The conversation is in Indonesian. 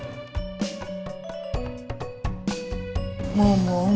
tadi kamu mau jemput